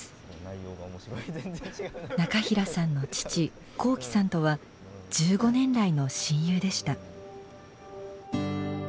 中平さんの父幸喜さんとは１５年来の親友でした。